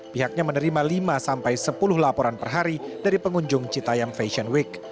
pihaknya menerima lima sampai sepuluh laporan per hari dari pengunjung citayam fashion week